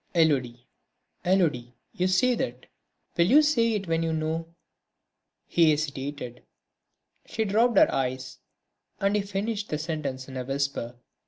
"Élodie, Élodie, you say that? will you still say it when you know ..." he hesitated. She dropped her eyes; and he finished the sentence in a whisper